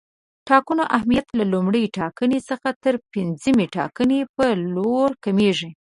د ټاکنو اهمیت له لومړۍ ټاکنې څخه تر پنځمې ټاکنې پر لور کمیږي.